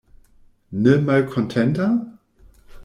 Ne malkontenta?